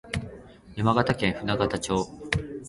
山形県舟形町